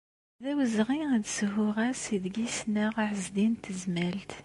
D awezɣi ad shuɣ ass ideg ssneɣ Ɛezdin n Tezmalt.